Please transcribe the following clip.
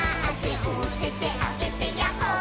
「おててあげてヤッホー」